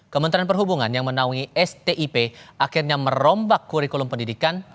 kementerian perhubungan yang menaungi stip akhirnya merombak kurikulum pendidikan